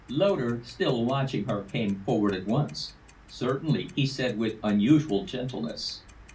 Loder, still watching her, came forward at once. "Certainly," he said, with unusual gentleness.